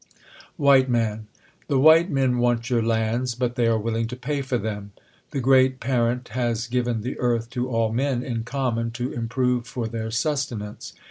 W. Man. The White Men want your lands ; but they are willing to pay for them. The great Parent has given the earth to all men in common to improve for their sustenance.